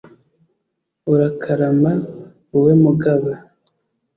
urakarama, wowe mugaba